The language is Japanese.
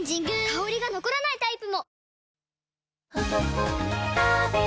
香りが残らないタイプも！